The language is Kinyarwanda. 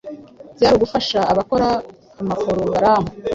byari ugufasha abakora amaporogaramu